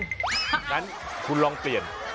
อย่างนั้นคุณลองเปลี่ยน